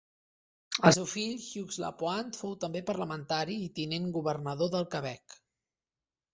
El seu fill, Hugues Lapointe, fou també parlamentari i tinent governador del Quebec.